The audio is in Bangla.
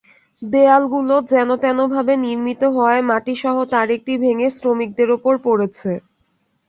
দেয়ালগুলো যেনতেনভাবে নির্মিত হওয়ায় মাটিসহ তার একটি ভেঙে শ্রমিকদের ওপরে পড়েছে।